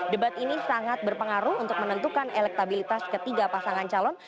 debat ini sangat berpengaruh untuk menentukan elektabilitas ketiga pasangan calon